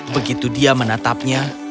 begitu dia menatapnya